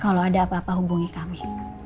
kalau ada apa apa hubungi kami